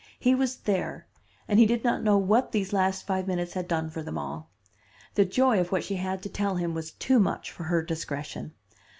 He was there, and he did not know what these last five minutes had done for them all. The joy of what she had to tell him was too much for her discretion.